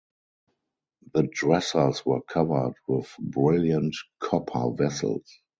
The dressers were covered with brilliant copper vessels.